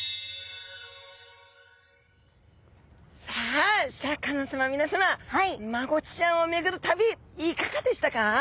さあシャーク香音さま皆さまマゴチちゃんを巡る旅いかがでしたか？